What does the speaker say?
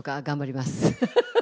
頑張ります。